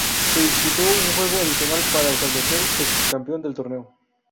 Se disputó un juego adicional para establecer el subcampeón del torneo.